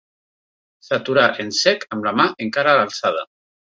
S'atura en sec amb la mà encara alçada.